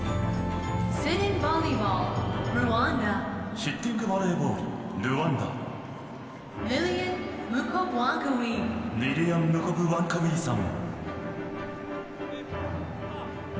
シッティングバレーボールルワンダリリアナ・ムコブウォンカウェさん。